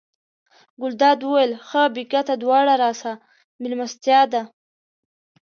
ګلداد وویل ښه بېګا ته دواړه راسئ مېلمستیا ده.